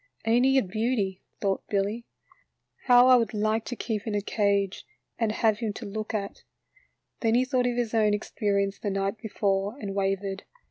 " Ain't he a beauty," thought Billy. M How I would like to keep him in a cage and have him to look at." Then he thought of his own experience the night before, and wavered.